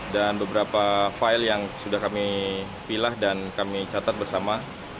dan beberapa file yang sudah kami pilah dan kami catat bersama